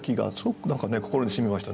心にしみましたね。